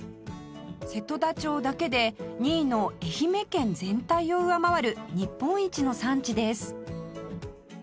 瀬戸田町だけで２位の愛媛県全体を上回る日本一の産地です